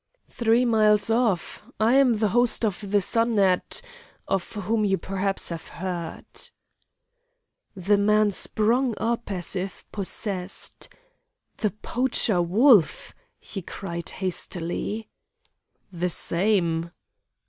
"'Three miles off. I am the host of the Sun at , of whom perhaps you have heard.' "The man sprung up as if possessed. 'The poacher Wolf,' he cried hastily. "'The same!